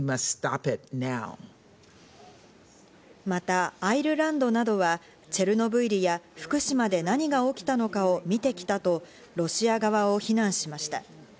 また、アイルランドなどは、チェルノブイリや福島で何が起きたのかを見てきたとロシア側を非難しました。